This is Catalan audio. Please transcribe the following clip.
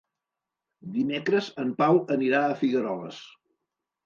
Dimecres en Pau anirà a Figueroles.